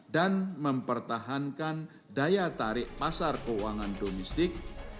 dan mempertahankan daya tarik pasar keuangan domestik